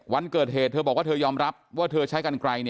วันเกิดเหตุเธอบอกว่าเธอยอมรับว่าเธอใช้กันไกล